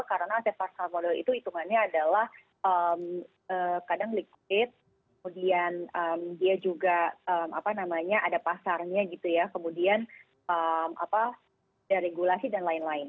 karena aset pasar modal itu hitungannya adalah kadang liquid kemudian dia juga ada pasarnya gitu ya kemudian ada regulasi dan lain lain